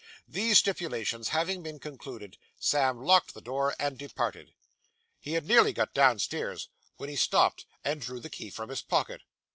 These stipulations having been concluded, Sam locked the door and departed. He had nearly got downstairs, when he stopped, and drew the key from his pocket.